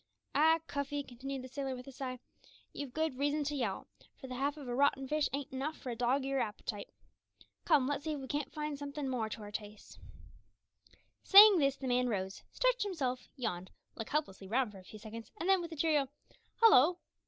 "Ah, Cuffy!" continued the sailor with a sigh, "you've good reason to yowl, for the half of a rotten fish ain't enough for a dog o' your appetite. Come, let's see if we can't find somethin' more to our tastes." Saying this the man rose, stretched himself, yawned, looked helplessly round for a few seconds, and then, with a cheery "Hallo!